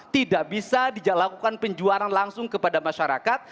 tidak bisa dilakukan penjualan langsung kepada masyarakat